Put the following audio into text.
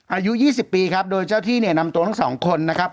อายุ๒๐ปีครับโดยเจ้าที่นำตัวทั้งสองคน